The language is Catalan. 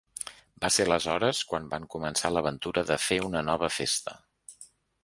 Va ser aleshores quan van començar l’aventura de fer una nova festa.